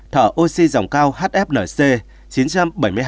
thở oxy dòng cao hfnc chín trăm bảy mươi hai ca